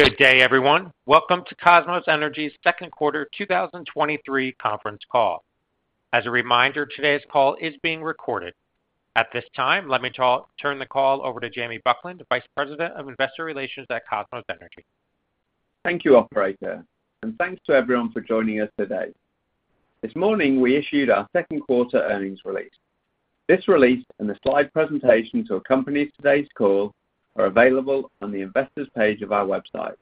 Good day, everyone. Welcome to Kosmos Energy's 2Q 2023 conference call. As a reminder, today's call is being recorded. At this time, let me turn the call over to Jamie Buckland, Vice President of Investor Relations at Kosmos Energy. Thank you, operator, and thanks to everyone for joining us today. This morning, we issued our second quarter earnings release. This release and the slide presentation to accompany today's call are available on the Investors page of our website.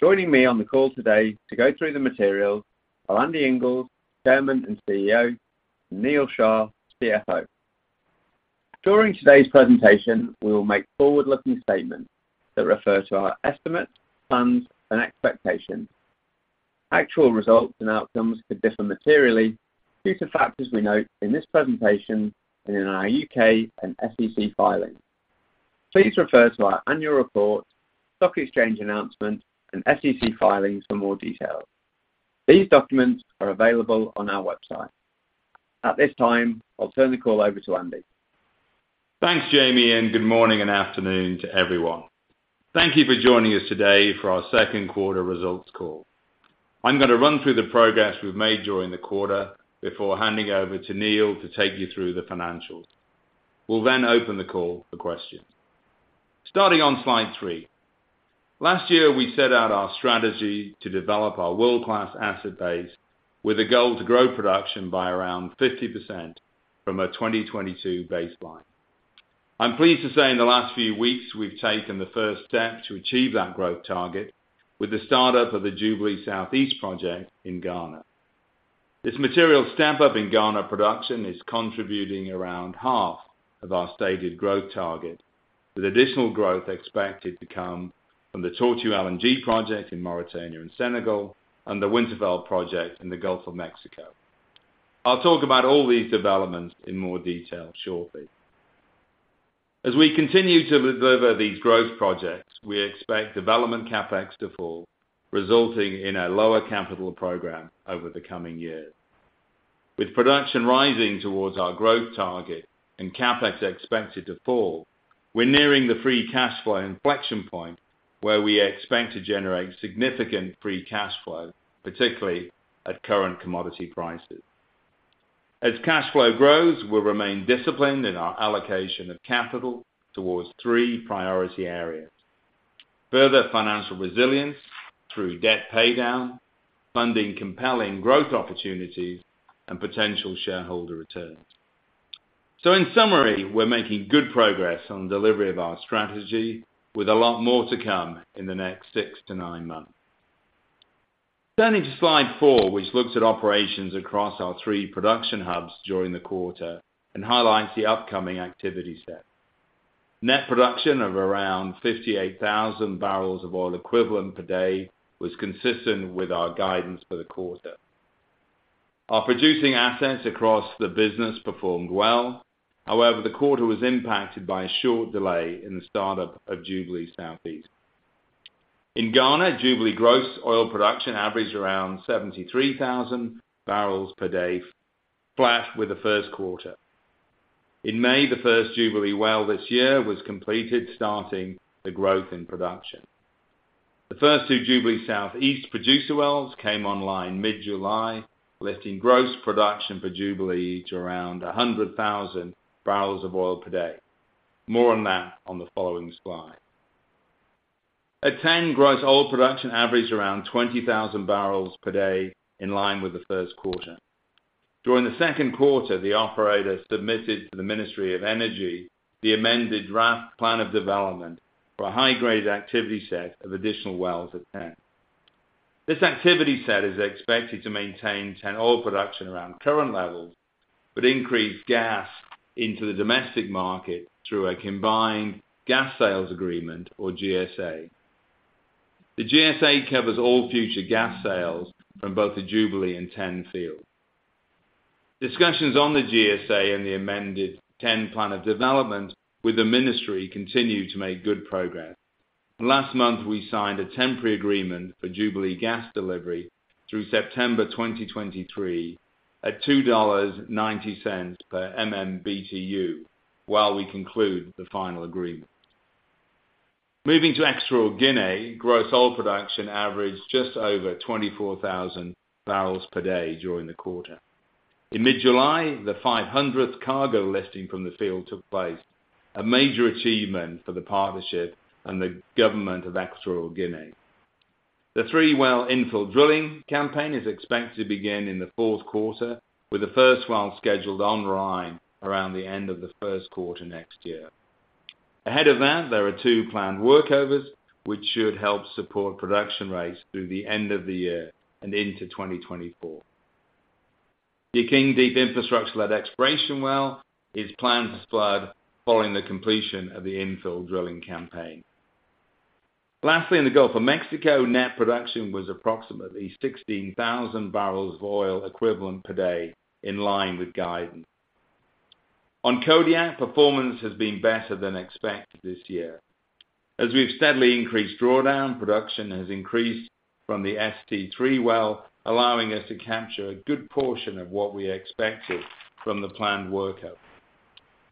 Joining me on the call today to go through the materials are Andy Inglis, Chairman and CEO, and Neal Shah, CFO. During today's presentation, we will make forward-looking statements that refer to our estimates, plans, and expectations. Actual results and outcomes could differ materially due to factors we note in this presentation and in our U.K. and SEC filings. Please refer to our annual report, stock exchange announcement, and SEC filings for more details. These documents are available on our website. At this time, I'll turn the call over to Andy. Thanks, Jamie, good morning and afternoon to everyone. Thank you for joining us today for our second quarter results call. I'm going to run through the progress we've made during the quarter before handing over to Neal to take you through the financials. We'll then open the call for questions. Starting on slide three. Last year, we set out our strategy to develop our world-class asset base with a goal to grow production by around 50% from a 2022 baseline. I'm pleased to say in the last few weeks, we've taken the first step to achieve that growth target with the startup of the Jubilee Southeast project in Ghana. This material step-up in Ghana production is contributing around half of our stated growth target, with additional growth expected to come from the Tortue LNG project in Mauritania and Senegal and the Winterfell project in the Gulf of Mexico. I'll talk about all these developments in more detail shortly. As we continue to deliver these growth projects, we expect development CapEx to fall, resulting in a lower capital program over the coming years. With production rising towards our growth target and CapEx expected to fall, we're nearing the free cash flow inflection point, where we expect to generate significant free cash flow, particularly at current commodity prices. As cash flow grows, we'll remain disciplined in our allocation of capital towards three priority areas: further financial resilience through debt paydown, funding compelling growth opportunities, and potential shareholder returns. In summary, we're making good progress on delivery of our strategy, with a lot more to come in the next six to nine months. Turning to slide four, which looks at operations across our three production hubs during the quarter and highlights the upcoming activity set. Net production of around 58,000 barrels of oil equivalent per day was consistent with our guidance for the quarter. Our producing assets across the business performed well. However, the quarter was impacted by a short delay in the startup of Jubilee Southeast. In Ghana, Jubilee gross oil production averaged around 73,000 barrels per day, flat with the first quarter. In May, the first Jubilee well this year was completed, starting the growth in production. The first two Jubilee Southeast producer wells came online mid-July, lifting gross production for Jubilee to around 100,000 barrels of oil per day. More on that on the following slide. At TEN, gross oil production averaged around 20,000 barrels per day, in line with the first quarter. During the second quarter, the operator submitted to the Ministry of Energy the amended draft Plan of Development for a high-grade activity set of additional wells at TEN. This activity set is expected to maintain TEN oil production around current levels, but increase gas into the domestic market through a combined gas sales agreement or GSA. The GSA covers all future gas sales from both the Jubilee and TEN fields. Discussions on the GSA and the amended TEN Plan of Development with the ministry continue to make good progress. Last month, we signed a temporary agreement for Jubilee gas delivery through September 2023 at $2.90 per MMBtu, while we conclude the final agreement. Moving to Equatorial Guinea, gross oil production averaged just over 24,000 barrels per day during the quarter. In mid-July, the 500th cargo lifting from the field took place, a major achievement for the partnership and the government of Equatorial Guinea. The three-well infill drilling campaign is expected to begin in the fourth quarter, with the first well scheduled online around the end of the first quarter next year. Ahead of that, there are two planned workovers, which should help support production rates through the end of the year and into 2024. The Akeng Deep infrastructure-led exploration well is planned to spud following the completion of the infill drilling campaign. Lastly, in the Gulf of Mexico, net production was approximately 16,000 barrels of oil equivalent per day, in line with guidance. On Kodiak, performance has been better than expected this year. As we've steadily increased drawdown, production has increased from the ST3 well, allowing us to capture a good portion of what we expected from the planned workover.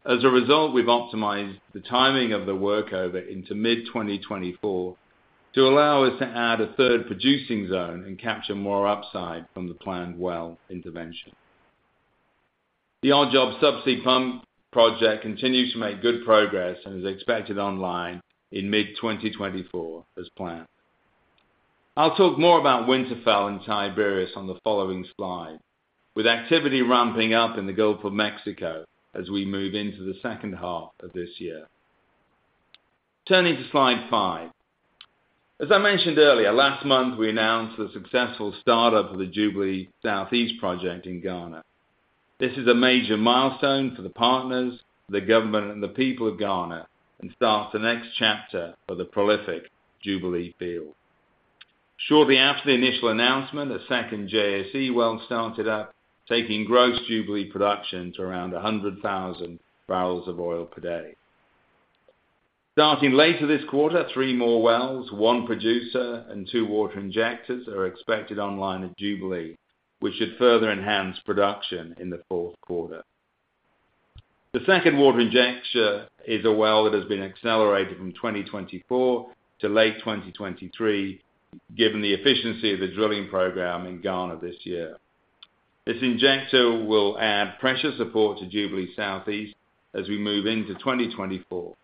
As a result, we've optimized the timing of the workover into mid-2024, to allow us to add a third producing zone and capture more upside from the planned well intervention. The Odd Job subsea pump project continues to make good progress and is expected online in mid-2024 as planned. I'll talk more about Winterfell and Tiberius on the following slide, with activity ramping up in the Gulf of Mexico as we move into the second half of this year. Turning to slide five. As I mentioned earlier, last month, we announced the successful startup of the Jubilee Southeast project in Ghana. This is a major milestone for the partners, the government, and the people of Ghana, starts the next chapter of the prolific Jubilee Field. Shortly after the initial announcement, a second JSE well started up, taking gross Jubilee production to around 100,000 barrels of oil per day. Starting later this quarter, three more wells, one producer and two water injectors, are expected online at Jubilee, which should further enhance production in the fourth quarter. The second water injector is a well that has been accelerated from 2024 to late 2023, given the efficiency of the drilling program in Ghana this year. This injector will add pressure support to Jubilee Southeast as we move into 2024.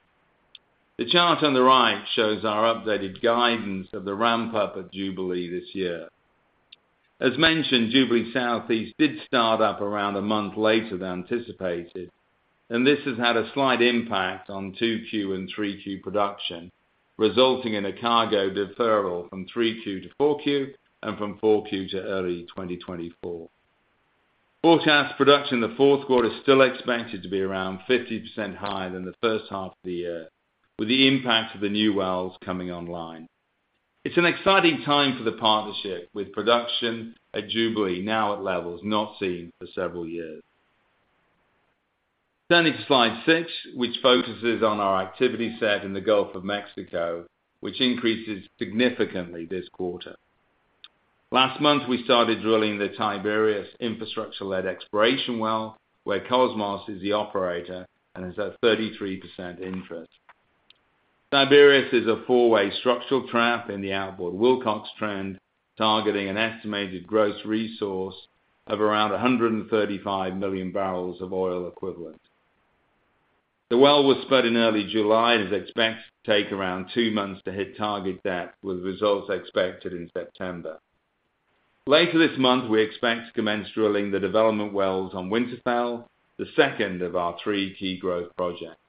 The chart on the right shows our updated guidance of the ramp-up of Jubilee this year. As mentioned, Jubilee Southeast did start up around a month later than anticipated, and this has had a slight impact on 2Q and 3Q production, resulting in a cargo deferral from 3Q to 4Q and from 4Q to early 2024. Forecast production in the 4th quarter is still expected to be around 50% higher than the 1st half of the year, with the impact of the new wells coming online. It's an exciting time for the partnership, with production at Jubilee now at levels not seen for several years. Turning to slide six, which focuses on our activity set in the Gulf of Mexico, which increases significantly this quarter. Last month, we started drilling the Tiberius infrastructure-led exploration well, where Kosmos is the operator and has a 33% interest. Tiberius is a four-way structural trap in the outboard Wilcox trend, targeting an estimated gross resource of around 135 million barrels of oil equivalent. The well was spud in early July and is expected to take around two months to hit target depth, with results expected in September. Later this month, we expect to commence drilling the development wells on Winterfell, the second of our three key growth projects.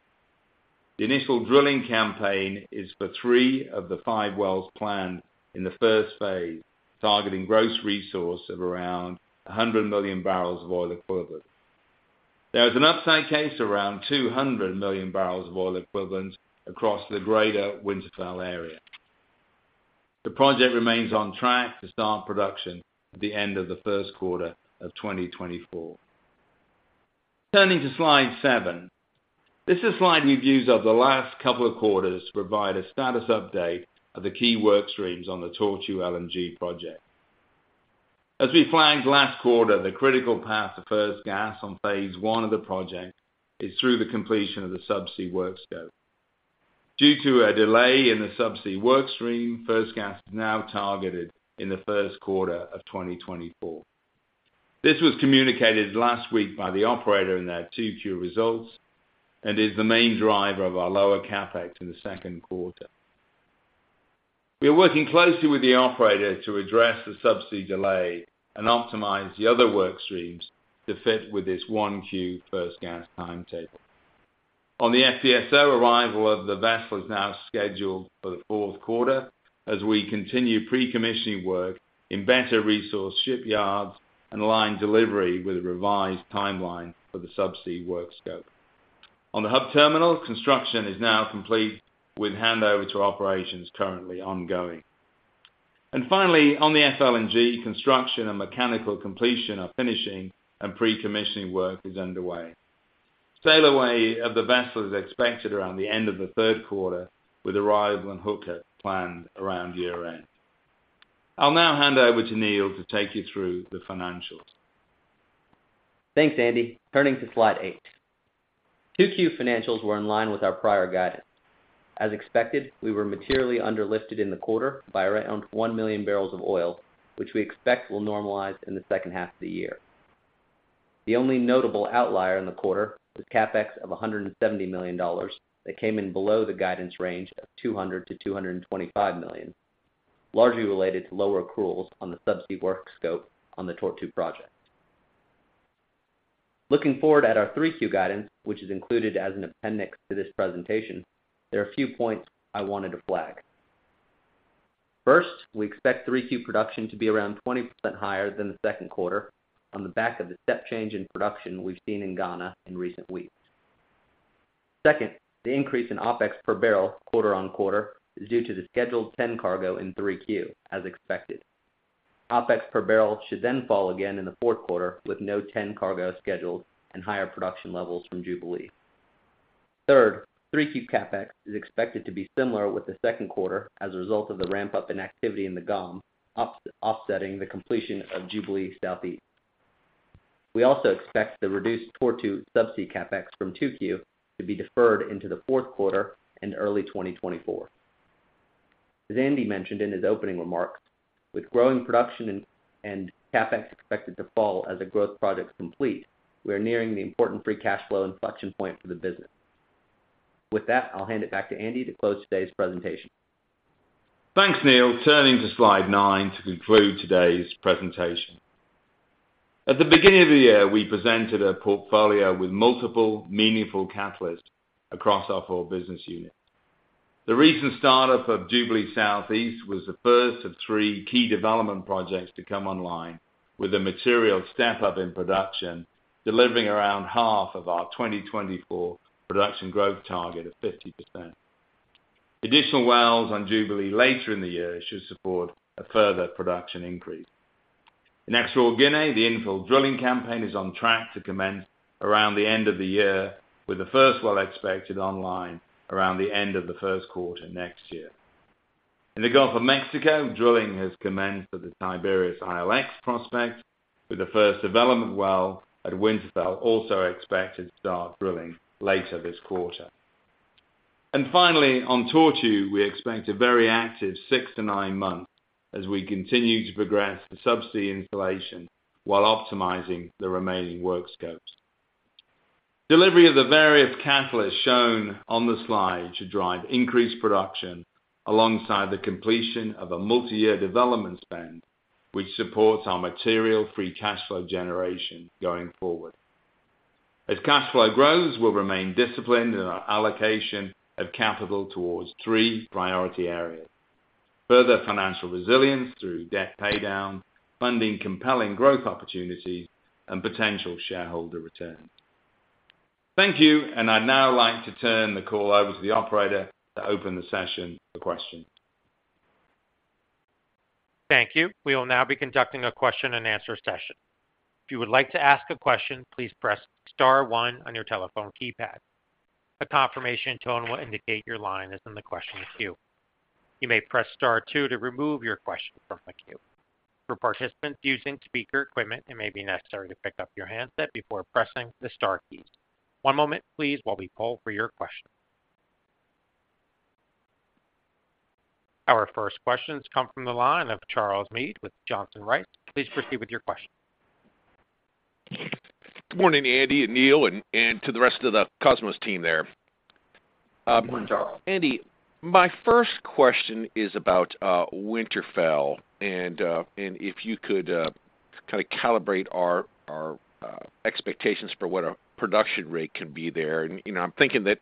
The initial drilling campaign is for three of the five wells planned in the first phase, targeting gross resource of around 100 million barrels of oil equivalent. There is an upside case around 200 million barrels of oil equivalent across the greater Winterfell area. The project remains on track to start production at the end of the first quarter of 2024. Turning to slide seven. This is a slide we've used over the last couple of quarters to provide a status update of the key work streams on the Tortue LNG project. As we flagged last quarter, the critical path to first gas on Phase 1 of the project is through the completion of the subsea work scope. Due to a delay in the subsea work stream, first gas is now targeted in the 1st quarter of 2024. This was communicated last week by the operator in their 2Q results, and is the main driver of our lower CapEx in the 2nd quarter. We are working closely with the operator to address the subsea delay and optimize the other work streams to fit with this 1Q first gas timetable. On the FPSO, arrival of the vessel is now scheduled for the fourth quarter, as we continue pre-commissioning work in better resource shipyards and align delivery with a revised timeline for the subsea work scope. On the Hub Terminal, construction is now complete, with handover to operations currently ongoing. Finally, on the FLNG, construction and mechanical completion are finishing, and pre-commissioning work is underway. Sail away of the vessel is expected around the end of the third quarter, with arrival and hookup planned around year-end. I'll now hand over to Neal to take you through the financials. Thanks, Andy. Turning to slide eight. 2Q financials were in line with our prior guidance. As expected, we were materially under lifted in the quarter by around one million barrels of oil, which we expect will normalize in the second half of the year. The only notable outlier in the quarter was CapEx of $170 million. That came in below the guidance range of $200 million-$225 million, largely related to lower accruals on the subsea work scope on the Tortue project. Looking forward at our 3Q guidance, which is included as an appendix to this presentation, there are a few points I wanted to flag. First, we expect 3Q production to be around 20% higher than the second quarter on the back of the step change in production we've seen in Ghana in recent weeks. Second, the increase in OpEx per barrel quarter-on-quarter is due to the scheduled TEN cargo in 3Q, as expected. OpEx per barrel should fall again in the 4th quarter, with no TEN cargo scheduled and higher production levels from Jubilee. Third, 3Q CapEx is expected to be similar with the 2nd quarter as a result of the ramp-up in activity in the GOM, offsetting the completion of Jubilee Southeast. We also expect the reduced Tortue subsea CapEx from 2Q to be deferred into the 4th quarter and early 2024. As Andy mentioned in his opening remarks, with growing production and, and CapEx expected to fall as a growth project complete, we are nearing the important free cash flow inflection point for the business. With that, I'll hand it back to Andy to close today's presentation. Thanks, Neal. Turning to slide nine to conclude today's presentation. At the beginning of the year, we presented a portfolio with multiple meaningful catalysts across our four business units. The recent startup of Jubilee Southeast was the first of three key development projects to come online, with a material step up in production, delivering around half of our 2024 production growth target of 50%. Additional wells on Jubilee later in the year should support a further production increase. In Equatorial Guinea, the infill drilling campaign is on track to commence around the end of the year, with the first well expected online around the end of the first quarter next year. In the Gulf of Mexico, drilling has commenced at the Tiberius ILX prospect, with the first development well at Winterfell also expected to start drilling later this quarter. Finally, on Tortue, we expect a very active six to nine months as we continue to progress the subsea installation while optimizing the remaining work scopes. Delivery of the various catalysts shown on the slide should drive increased production alongside the completion of a multi-year development spend, which supports our material free cash flow generation going forward. As cash flow grows, we'll remain disciplined in our allocation of capital towards three priority areas: further financial resilience through debt paydown, funding compelling growth opportunities, and potential shareholder return. Thank you, I'd now like to turn the call over to the operator to open the session to questions. Thank you. We will now be conducting a question-and-answer session. If you would like to ask a question, please press star one on your telephone keypad. A confirmation tone will indicate your line is in the question queue. You may press star two to remove your question from the queue. For participants using speaker equipment, it may be necessary to pick up your handset before pressing the star key. One moment, please, while we pull for your question. Our first questions come from the line of Charles Meade with Johnson Rice. Please proceed with your question. Good morning, Andy and Neal, and to the rest of the Kosmos team there. Good morning, Charles. Andy, my first question is about Winterfell, and if you could kind of calibrate our, our, expectations for what a production rate can be there. You know, I'm thinking that,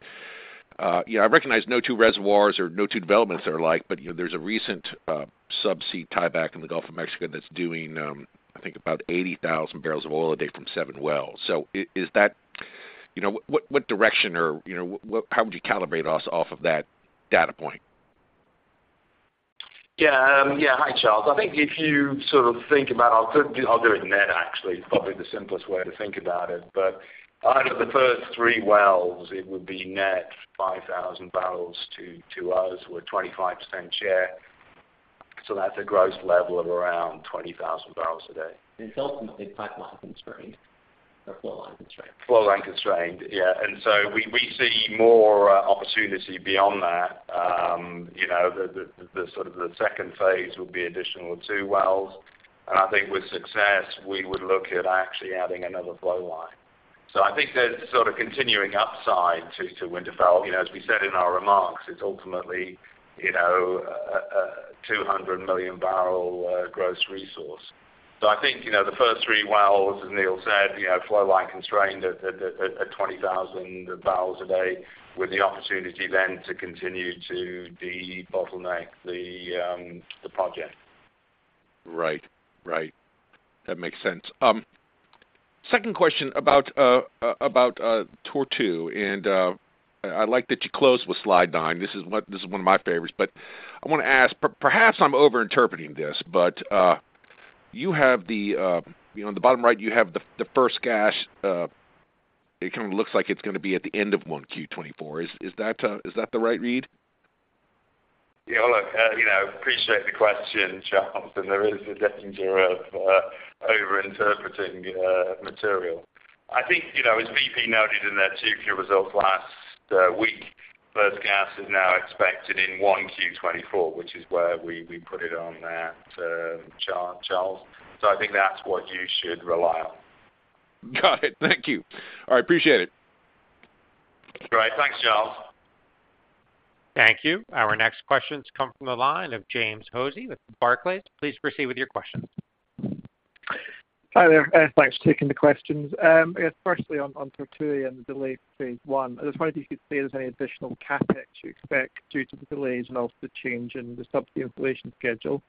you know, I recognize no two reservoirs or no two developments are alike, but, you know, there's a recent subsea tieback in the Gulf of Mexico that's doing, I think about 80,000 barrels of oil a day from seven wells. So is that, you know, what, what direction or, you know, what, how would you calibrate us off of that data point? Yeah. Yeah, hi, Charles. I think if you sort of think about. I'll do, I'll do it net, actually. It's probably the simplest way to think about it. Out of the first three wells, it would be net 5,000 barrels to us, with a 25% share. That's a gross level of around 20,000 barrels a day. It's ultimately pipeline constrained or flow line constrained. Flow line constrained. Yeah. We, we see more opportunity beyond that. You know, the, the, the sort of the second phase would be additional two wells. I think with success, we would look at actually adding another flow line. I think there's sort of continuing upside to Winterfell. You know, as we said in our remarks, it's ultimately, you know, 200 million barrel gross resource. I think, you know, the first three wells, as Neal said, you know, flow line constrained at 20,000 barrels a day, with the opportunity then to continue to debottleneck the project. Right. Right. That makes sense. Second question about Tortue, and I, I like that you closed with slide nine. This is one of my favorites, but I want to ask, perhaps I'm overinterpreting this, but you have the, you know, on the bottom right, you have the, the first gas, it kind of looks like it's gonna be at the end of 1Q 2024. Is, is that the right read? Yeah, look, you know, appreciate the question, Charles, and there is a danger of overinterpreting material. I think, you know, as BP noted in their 2Q results last week, first gas is now expected in 1Q 2024, which is where we, we put it on that chart, Charles. I think that's what you should rely on. Got it. Thank you. I appreciate it. Right. Thanks, Charles. Thank you. Our next questions come from the line of James Hosie with Barclays. Please proceed with your question. Hi there. Thanks for taking the questions. Firstly, on, on Tortue and the delay to Phase 1, I just wondered if you could say there's any additional CapEx you expect due to the delays and also the change in the subsea installation schedule?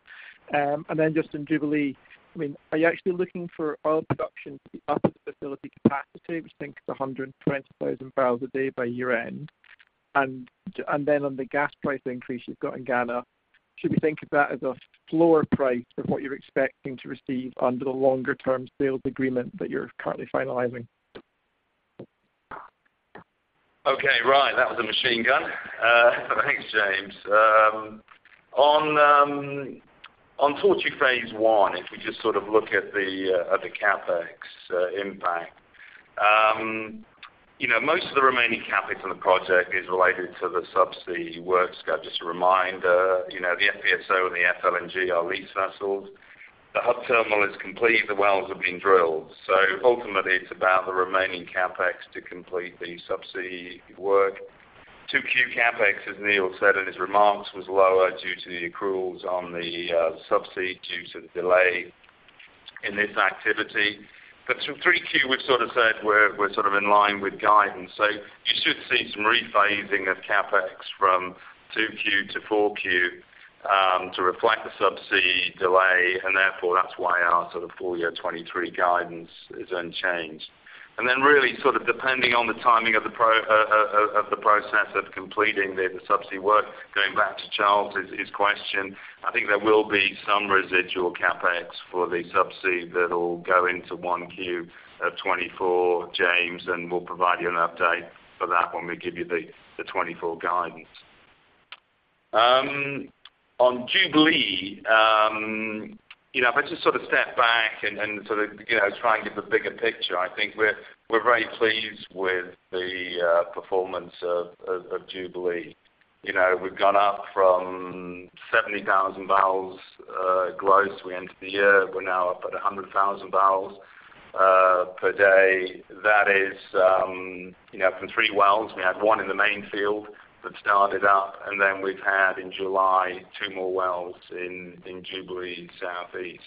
Just in Jubilee, I mean, are you actually looking for oil production to be up at the facility capacity, which I think is 120,000 barrels a day by year-end? On the gas price increase you've got in Ghana, should we think of that as a lower price than what you're expecting to receive under the longer term sales agreement that you're currently finalizing? Okay, right. That was a machine gun. Thanks, James. On Tortue Phase 1, if we just sort of look at the at the CapEx impact. You know, most of the remaining CapEx on the project is related to the subsea work scope. Just a reminder, you know, the FPSO and the FLNG are lease vessels. The Hub Terminal is complete, the wells have been drilled, so ultimately it's about the remaining CapEx to complete the subsea work. 2Q CapEx, as Neal said in his remarks, was lower due to the accruals on the subsea due to the delay in this activity. Through 3Q, we've sort of said we're, we're sort of in line with guidance. You should see some rephasing of CapEx from 2Q to 4Q to reflect the subsea delay, and therefore, that's why our sort of full year 2023 guidance is unchanged. Then really, sort of depending on the timing of the process of completing the subsea work, going back to Charles, his question, I think there will be some residual CapEx for the subsea that'll go into 1Q of 2024, James, and we'll provide you an update for that when we give you the 2024 guidance. On Jubilee, you know, if I just sort of step back and sort of, you know, try and give a bigger picture, I think we're, we're very pleased with the performance of Jubilee. You know, we've gone up from 70,000 barrels gross. We entered the year, we're now up at 100,000 barrels per day. That is, you know, from three wells. We had one in the main field that started up, and then we've had in July, two more wells in Jubilee Southeast.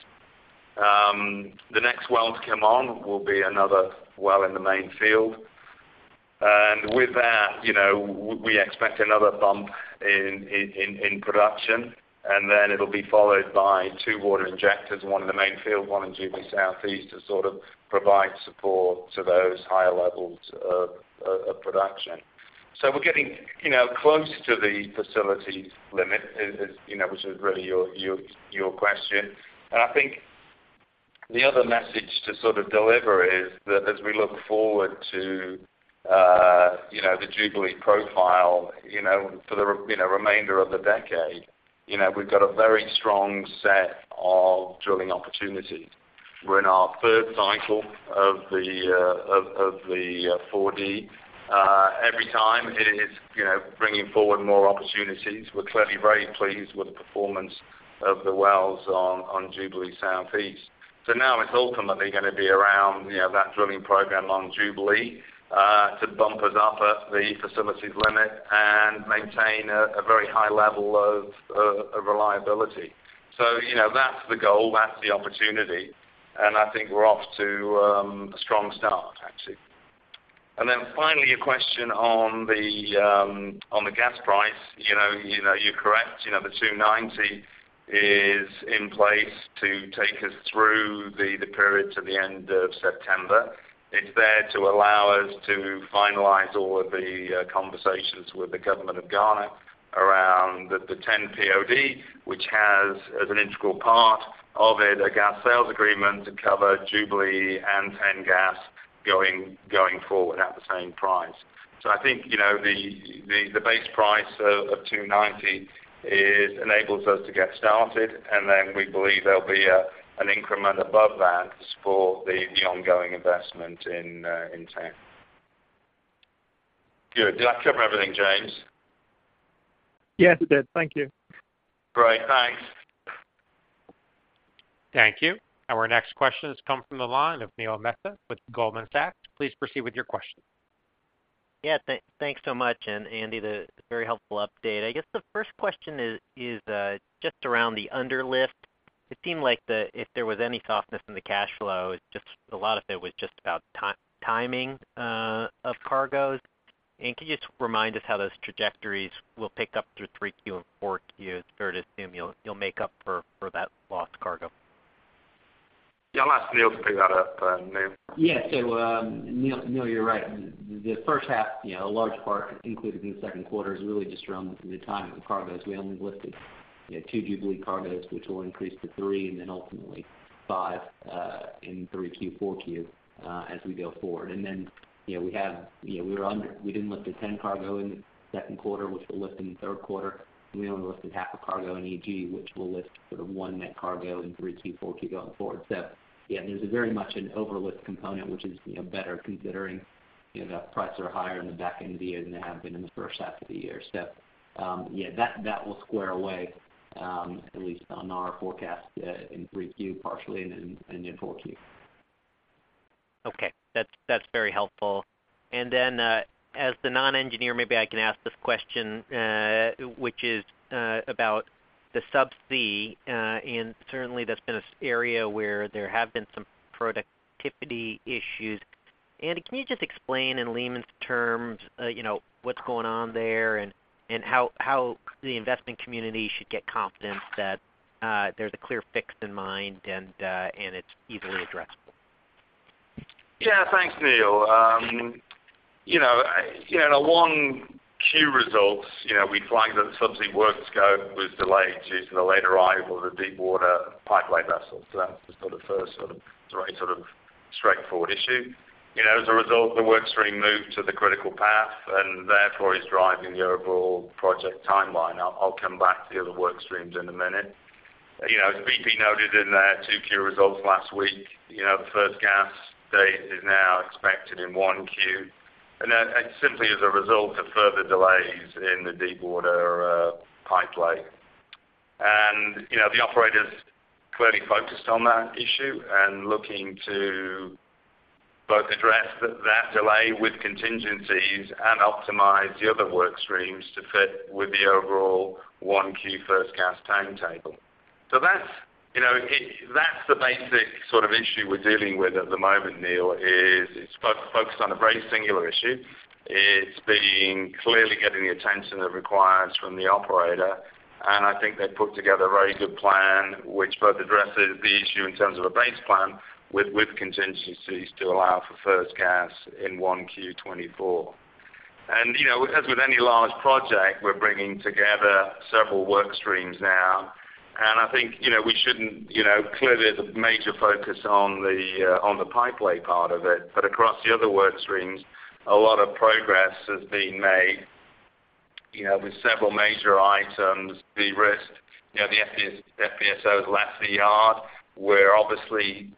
The next well to come on will be another well in the main field. And with that, you know, we expect another bump in, in, in, in production, and then it'll be followed by two water injectors, one in the main field, one in Jubilee Southeast, to sort of provide support to those higher levels of, of production. We're getting, you know, close to the facility's limit, as, as you know, which is really your, your, your question. I think the other message to sort of deliver is that as we look forward to, you know, the Jubilee profile, you know, for the, you know, remainder of the decade, you know, we've got a very strong set of drilling opportunities. We're in our third cycle of the, of, of the, 4D. Every time it is, you know, bringing forward more opportunities. We're clearly very pleased with the performance of the wells on, on Jubilee Southeast. Now it's ultimately gonna be around, you know, that drilling program on Jubilee to bump us up at the facilities limit and maintain a very high level of reliability. You know, that's the goal, that's the opportunity, and I think we're off to a strong start, actually. Finally, a question on the gas price. You know, you know, you're correct. You know, the $2.90 is in place to take us through the period to the end of September. It's there to allow us to finalize all of the conversations with the government of Ghana around the TEN PoD, which has, as an integral part of it, a gas sales agreement to cover Jubilee and TEN gas going, going forward at the same price. I think, you know, the base price of $2.90 is enables us to get started, and then we believe there'll be an increment above that to support the ongoing investment in TEN. Good. Did I cover everything, James? Yes, you did. Thank you. Great. Thanks. Thank you. Our next question has come from the line of Neil Mehta with Goldman Sachs. Please proceed with your question. Yeah, thank, thanks so much, and Andy, the very helpful update. I guess the first question is, is just around the underlift. It seemed like the, if there was any softness in the cash flow, it just a lot of it was just about timing of cargoes. Can you just remind us how those trajectories will pick up through 3Q and 4Q? It's fair to assume you'll, you'll make up for, for that lost cargo. Yeah, I'll ask Neal to pick that up, Neil. Yeah. Neil, Neil, you're right. The first half, you know, a large part included in the 2Q, is really just around the timing of the cargoes. We only lifted, you know, two Jubilee cargoes, which will increase to three, and then ultimately five, in 3Q, 4Q, as we go forward. You know, we have, you know, we were under-- we didn't lift the TEN cargo in the 2Q, which we'll lift in the 3Q. We only lifted half a cargo in EG, which we'll lift sort of one net cargo in 3Q, 4Q going forward. Yeah, there's a very much an overlift component, which is, you know, better considering, you know, the prices are higher in the back end of the year than they have been in the first half of the year. Yeah, that, that will square away, at least on our forecast, in 3Q, partially, and in, and in 4Q. Okay. That's, that's very helpful. Then, as the non-engineer, maybe I can ask this question, which is about the subsea, and certainly that's been an area where there have been some productivity issues. Andy, can you just explain in layman's terms, you know, what's going on there and, and how, how the investment community should get confidence that there's a clear fix in mind and it's easily addressable? Yeah, thanks, Neil. you know, you know, in the 1Q results, you know, we flagged that the subsea work scope was delayed due to the late arrival of the deepwater pipeline vessels. That's the sort of first sort of, very sort of straightforward issue. You know, as a result, the work stream moved to the critical path and therefore is driving the overall project timeline. I'll, I'll come back to the other work streams in a minute. You know, as BP noted in their 2Q results last week, you know, the first gas date is now expected in 1Q. That simply is a result of further delays in the deepwater, pipeline. You know, the operator's clearly focused on that issue and looking to both address that, that delay with contingencies and optimize the other work streams to fit with the overall 1Q first gas timetable. So that's, you know, that's the basic sort of issue we're dealing with at the moment, Neal, is it's focused on a very singular issue. It's being clearly getting the attention it requires from the operator, and I think they've put together a very good plan, which both addresses the issue in terms of a base plan with, with contingencies to allow for first gas in 1Q 2024. You know, as with any large project, we're bringing together several work streams now. I think, you know, we shouldn't, you know, clearly there's a major focus on the, on the pipeline part of it. Across the other work streams, a lot of progress has been made, you know, with several major items. The risk, you know, the FPS, FPSO has left the yard, where obviously,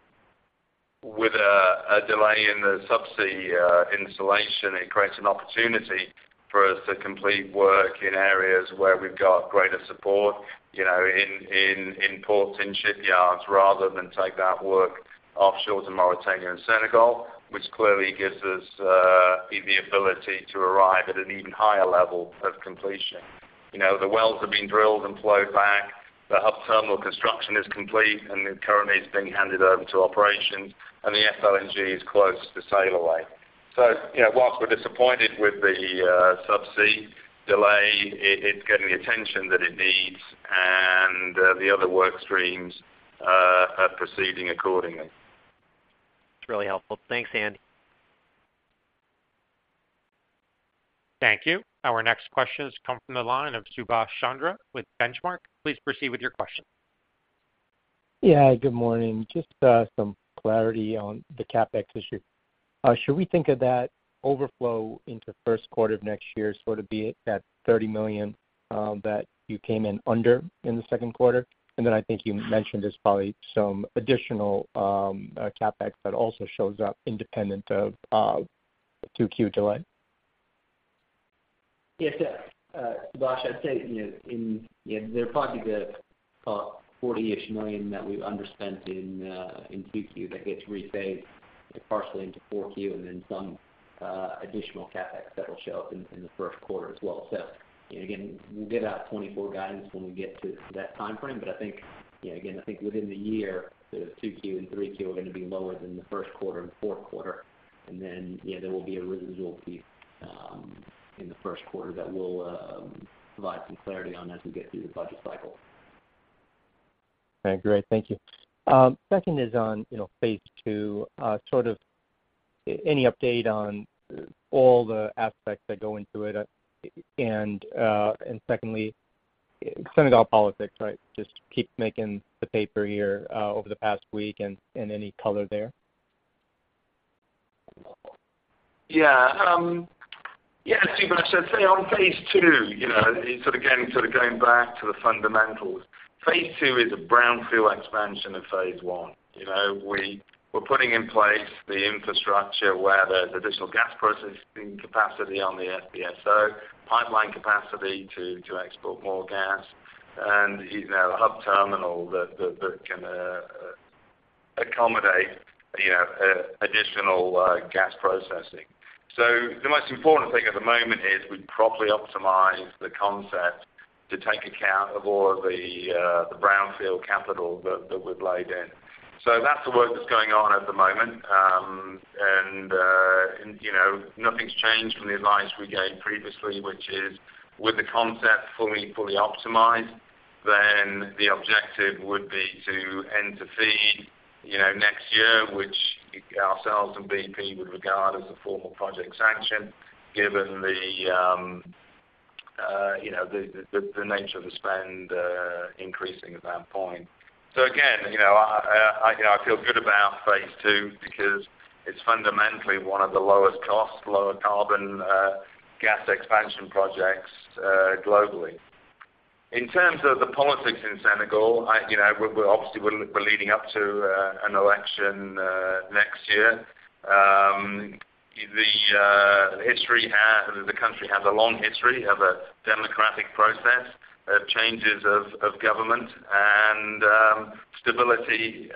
with a, a delay in the subsea installation, it creates an opportunity for us to complete work in areas where we've got greater support, you know, in, in, in ports, in shipyards, rather than take that work offshore to Mauritania and Senegal, which clearly gives us the ability to arrive at an even higher level of completion. You know, the wells have been drilled and flowed back. The Hub Terminal construction is complete, and it currently is being handed over to operations, and the FLNG is close to sail away. You know, whilst we're disappointed with the subsea delay, it's getting the attention that it needs, and the other work streams are proceeding accordingly. It's really helpful. Thanks, Andy. Thank you. Our next question has come from the line of Subash Chandra with Benchmark. Please proceed with your question. Yeah, good morning. Just, some clarity on the CapEx issue. Should we think of that overflow into first quarter of next year, sort of be it that $30 million, that you came in under in the second quarter? I think you mentioned there's probably some additional CapEx that also shows up independent of the 2Q delay? Yes, Subash, I'd say, you know, in, yeah, there are probably the $40 million that we've underspent in 2Q that gets rephased partially into 4Q, and then some additional CapEx that will show up in the first quarter as well. Again, we'll give out 2024 guidance when we get to that timeframe, but I think, you know, again, I think within the year, the 2Q and 3Q are gonna be lower than the first quarter and fourth quarter. You know, there will be a residual piece in the first quarter that we'll provide some clarity on as we get through the budget cycle. Okay, great. Thank you. Second is on, you know, Phase 2. Sort of any update on all the aspects that go into it? Secondly, Senegal politics, right? Just keep making the paper here over the past week and any color there. Yeah, Subash, I'd say on Phase 2, you know, sort of going back to the fundamentals. Phase 2 is a brownfield expansion of Phase 1. You know, we're putting in place the infrastructure where there's additional gas processing capacity on the FPSO, pipeline capacity to export more gas, and a Hub Terminal that can accommodate additional gas processing. The most important thing at the moment is we properly optimize the concept to take account of all of the brownfield capital that we've laid in. That's the work that's going on at the moment. You know, nothing's changed from the advice we gave previously, which is, with the concept fully, fully optimized, then the objective would be to end the Feed, you know, next year, which ourselves and BP would regard as a formal project sanction, given the, you know, the nature of the spend increasing at that point. Again, you know, I, I, I feel good about Phase 2 because it's fundamentally one of the lowest cost, lower carbon, gas expansion projects, globally. In terms of the politics in Senegal, you know, we're obviously, we're leading up to an election next year. The country has a long history of a democratic process, changes of government and stability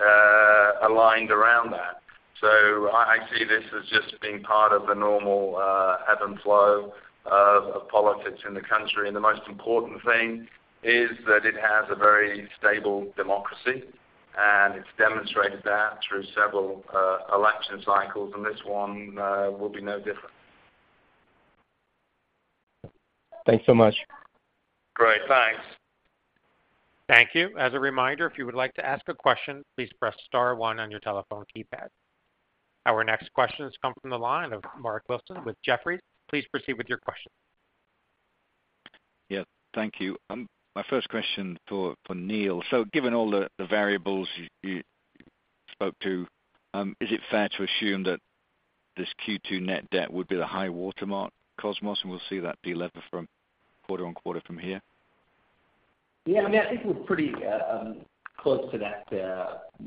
aligned around that. I, I see this as just being part of the normal, ebb and flow of, of politics in the country. The most important thing is that it has a very stable democracy, and it's demonstrated that through several, election cycles, and this one, will be no different. Thanks so much. Great, thanks. Thank you. As a reminder, if you would like to ask a question, please press star one on your telephone keypad. Our next question has come from the line of Mark Wilson with Jefferies. Please proceed with your question. Yeah, thank you. My first question for Neal. Given all the variables you spoke to, is it fair to assume that this Q2 net debt would be the high watermark Kosmos, and we'll see that delever from quarter-on-quarter from here? Yeah, I mean, I think we're pretty close to that,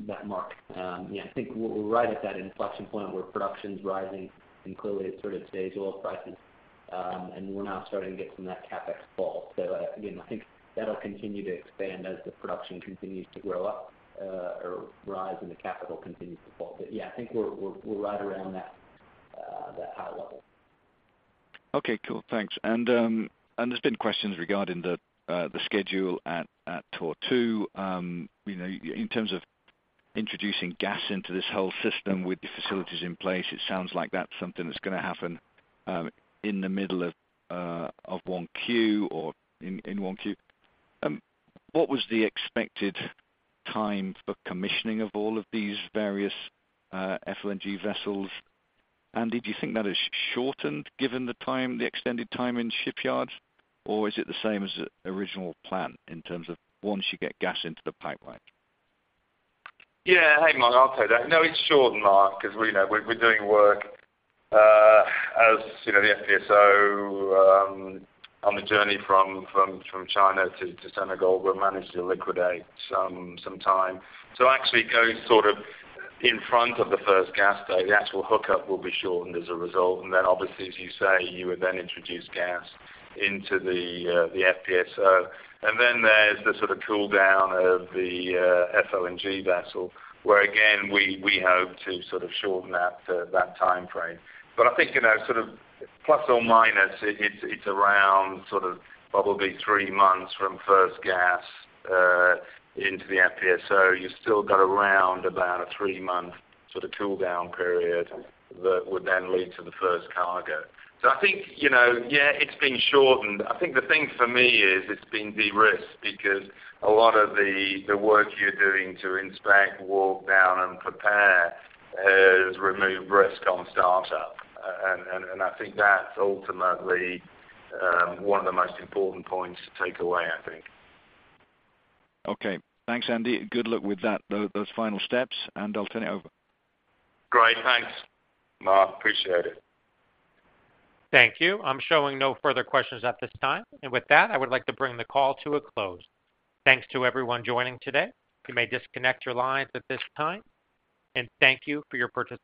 that mark. Yeah, I think we're, we're right at that inflection point where production's rising and clearly it sort of stays oil prices, and we're now starting to get from that CapEx fall. Again, I think that'll continue to expand as the production continues to grow up, or rise and the capital continues to fall. Yeah, I think we're, we're, we're right around that, that high level. Okay, cool. Thanks. There's been questions regarding the schedule at Tortue. You know, in terms of introducing gas into this whole system with the facilities in place, it sounds like that's something that's gonna happen in the middle of 1Q or in 1Q. What was the expected time for commissioning of all of these various FLNG vessels? Did you think that is shortened given the time, the extended time in shipyards? Or is it the same as the original plan in terms of once you get gas into the pipeline? Yeah. Hey, Mark, I'll take that. No, it's shortened, Mark, because, you know, we're, we're doing work, as you know, the FPSO, on the journey from, from, from China to, to Senegal, we managed to liquidate some, some time. Actually going sort of in front of the first gas day, the actual hookup will be shortened as a result. Then obviously, as you say, you would then introduce gas into the, the FPSO. Then there's the sort of cool down of the, FLNG vessel, where again, we, we hope to sort of shorten that, that time frame. I think, you know, sort of plus or minus, it, it's around sort of probably three months from first gas, into the FPSO. You've still got around about a three-month sort of cool down period that would then lead to the first cargo. I think, you know, yeah, it's been shortened. I think the thing for me is it's been de-risked because a lot of the, the work you're doing to inspect, walk down, and prepare has removed risk on startup. I think that's ultimately one of the most important points to take away, I think. Okay. Thanks, Andy. Good luck with that, those final steps, and I'll turn it over. Great. Thanks, Mark. Appreciate it. Thank you. I'm showing no further questions at this time. With that, I would like to bring the call to a close. Thanks to everyone joining today. You may disconnect your lines at this time. Thank you for your participation.